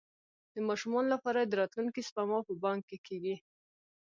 د ماشومانو لپاره د راتلونکي سپما په بانک کې کیږي.